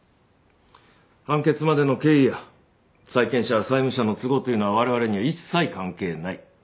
判決までの経緯や債権者債務者の都合というのは我々には一切関係ない。